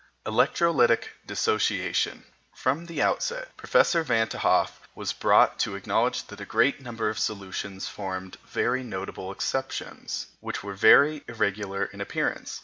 ELECTROLYTIC DISSOCIATION From the outset Professor Van t' Hoff was brought to acknowledge that a great number of solutions formed very notable exceptions which were very irregular in appearance.